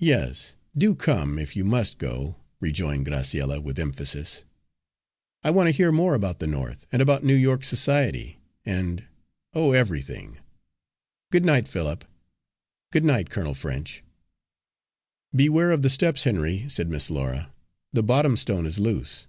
"Yes, do come, if you must go," rejoined Graciella with emphasis. "I want to hear more about the North, and about New York society and oh, everything! Good night, Philip. Good night, Colonel French." "Beware of the steps, Henry," said Miss Laura, "the bottom stone is loose."